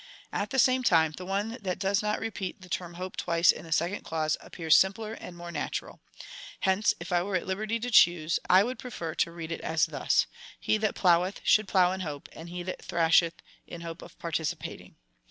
At the same time, the one that does not repeat the term hope twice in the second clause appears simpler, and more natural. Hence, if I were at liberty to choose, I would prefer to read it thus : He that ploiueth should plow in hope, and he that thrasheth in hope of pav'ticipating.